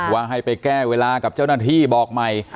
ว่าให้ไปแก้เวลากับเจ้าหน้าที่บอกใหม่